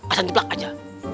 asan jeblak aja